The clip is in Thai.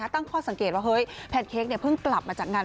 ตั้งข้อสังเกตว่าเฮ้ยแพนเค้กเพิ่งกลับมาจากงาน